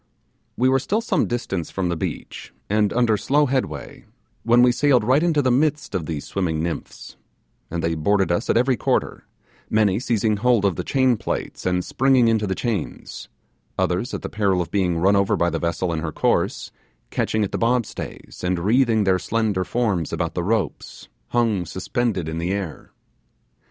We were still some distance from the beach, and under slow headway, when we sailed right into the midst of these swimming nymphs, and they boarded us at every quarter; many seizing hold of the chain plates and springing into the chains; others, at the peril of being run over by the vessel in her course, catching at the bob stays, and wreathing their slender forms about the ropes, hung suspended in the air.